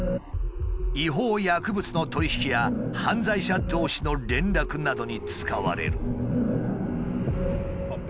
違法薬物の取り引きや犯罪者同士の連絡などに使われる。